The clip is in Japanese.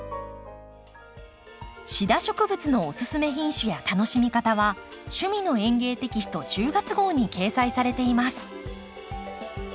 シダ植物のおすすめ品種や楽しみ方は「趣味の園芸」テキスト１０月号に掲載されています。